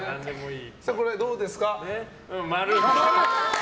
これはどうですか？